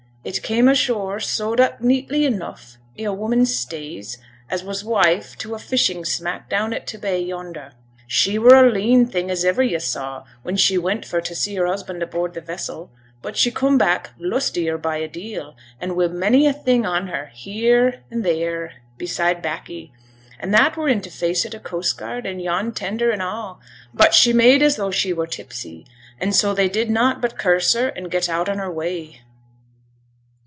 It came ashore sewed up neatly enough i' a woman's stays, as was wife to a fishing smack down at t' bay yonder. She were a lean thing as iver you saw, when she went for t' see her husband aboard t' vessel; but she coom back lustier by a deal, an' wi' many a thing on her, here and theere, beside baccy. An' that were i' t' face o' coast guard and yon tender, an' a'. But she made as though she were tipsy, an' so they did nought but curse her, an' get out on her way.'